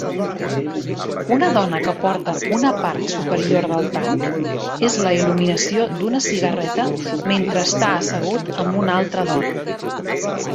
Una dona que porta una part superior del tanc és la il·luminació d'una cigarreta mentre està assegut amb una altra dona.